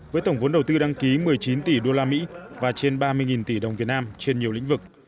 với tổng vốn đầu tư đăng ký một mươi chín tỷ usd và trên ba mươi tỷ đồng việt nam trên nhiều lĩnh vực